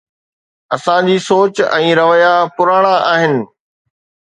اسان جي سوچ ۽ رويا پراڻا آهن.